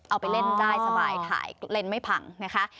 เอาไปเล่นได้สบายถ่ายเล่นไม่พังนะคะ